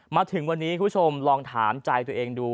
มาถึงวันนี้คุณผู้ชมลองถามใจตัวเองดู